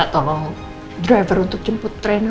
minta tolong driver untuk jemput raina